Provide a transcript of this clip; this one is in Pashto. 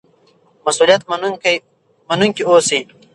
مسؤلیت منونکي اوسئ.